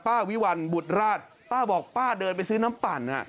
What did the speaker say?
วิวัลบุตรราชป้าบอกป้าเดินไปซื้อน้ำปั่น